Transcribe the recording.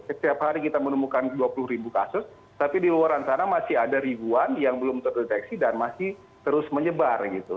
setiap hari kita menemukan dua puluh ribu kasus tapi di luar sana masih ada ribuan yang belum terdeteksi dan masih terus menyebar gitu